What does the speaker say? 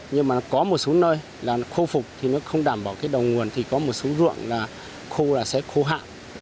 nhưng mà có một số nơi là khô phục thì nó không đảm bảo cái đồng nguồn thì có một số ruộng là khô là sẽ khô hạ